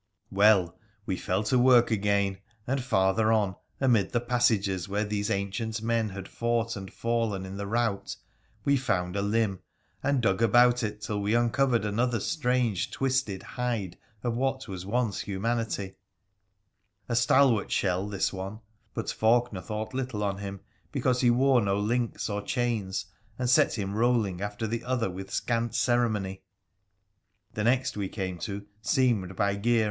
Well, we fell to work again, and farther on, amid the passages where these ancient men h&tJ fought and fallen in the rout, we found a limb, and dug aVjut it till we uncovered another strange, twisted hide of what was once humanity — a stalwart shell this one, but Faulkener thought little on him because he wore no links or chains, and set him rolling after the other with scant ceremony. The next we came to seemed by gear.